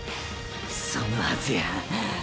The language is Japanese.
そのはずや。